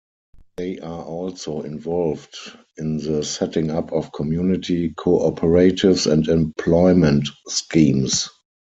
They are also involved in the setting up of community co-operatives and employment schemes.